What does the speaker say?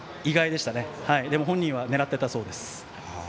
でも本人は狙っていたそうです。